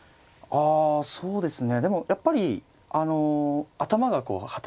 あっそうですか。